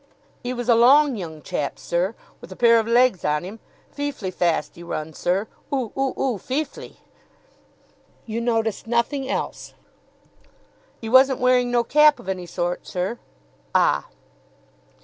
"'E was a long young chap, sir, with a pair of legs on him feeflee fast 'e run, sir. Oo oo oo, feeflee!" "You noticed nothing else?" "'E wasn't wearing no cap of any sort, sir." "Ah!"